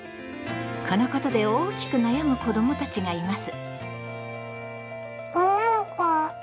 このことで大きく悩む子どもたちがいます。